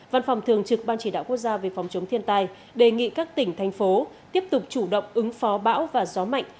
văn phòng thường trực ban chỉ đạo quốc gia về phòng chống thiên tai đề nghị các tỉnh thành phố tiếp tục chủ động ứng phó bão và gió mạnh